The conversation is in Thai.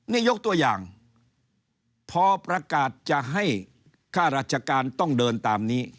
นี่ยกตัวอย่างพอประกาศจะให้ค่าราชการต้องเดินตามนี้